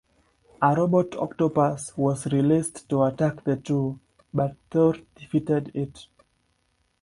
A robot octopus was released to attack the two, but Thor defeated it.